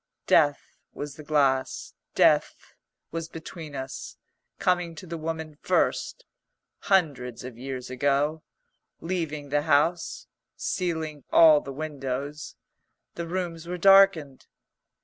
Death was the glass; death was between us; coming to the woman first, hundreds of years ago, leaving the house, sealing all the windows; the rooms were darkened.